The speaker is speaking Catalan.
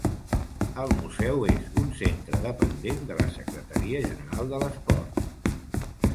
El Museu és un centre dependent de la Secretaria General de l'Esport.